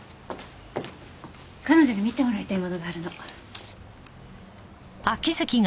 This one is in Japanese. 彼女に見てもらいたいものがあるの。